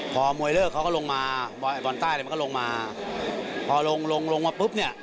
พอมวยเลิกเขาก็ลงมาตอนใต้เลยมันก็ลงมาพอลงลงลงมาปุ๊บเนี่ย